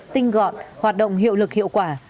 tinh gọn hoạt động hiệu lực hiệu quả